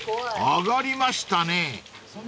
［揚がりましたね］